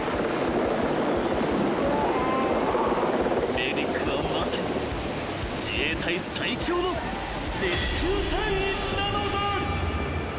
［メディックはまさに自衛隊最強のレスキュー隊員なのだ］